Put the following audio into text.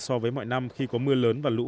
so với mọi năm khi có mưa lớn và lũ